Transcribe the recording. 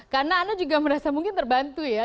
karena anda juga merasa mungkin terbantu ya